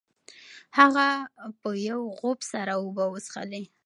هغه په یو غوپ سره اوبه وڅښلې.